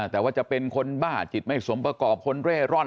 แต่ว่าจะเป็นคนบ้าจิตไม่สมประกอบคนเร่ร่อน